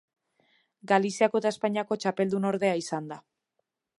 Galiziako eta Espainiako txapeldunordea izan da.